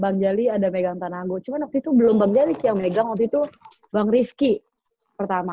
bang jali ada megang tanago cuma waktu itu belum bang jali sih yang megang waktu itu bang rizky pertama